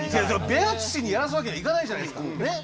ベアツシにやらすわけにはいかないじゃないっすか。ね。